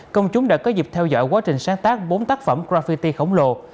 công chúng đã có dịp theo dõi quá trình sáng tác bốn tác phẩm graffiti khổng lồ